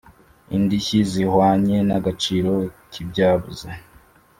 indishyi zihwanye n agaciro kibyabuze